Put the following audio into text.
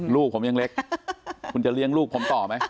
ลูกผมยังเล็กคุณจะเลี้ยงลูกผมต่อไหม